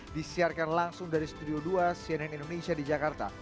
disiarkan langsung dari studio dua cnn indonesia di jakarta